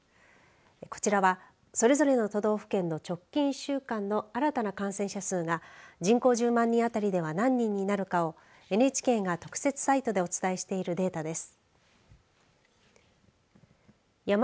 こちらはそれぞれの都道府県の直近１週間の新たな感染者数が人口１０万人当たりでは何人になるかをＮＨＫが特設サイトでお伝えしているデータです。